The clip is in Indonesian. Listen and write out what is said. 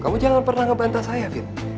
kamu jangan pernah ngebantah saya fit